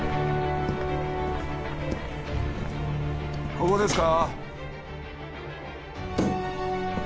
ここですか？